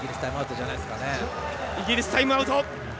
イギリス、タイムアウト。